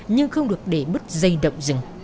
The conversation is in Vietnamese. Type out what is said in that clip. nhưng không được để bứt dây động dừng